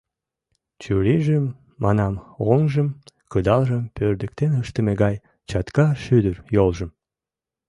Чурийжым, манам, оҥжым, кыдалжым, пӧрдыктен ыштыме гай чатка шӱдыр йолжым...